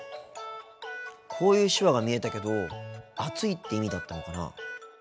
こういう手話が見えたけど暑いって意味だったのかな。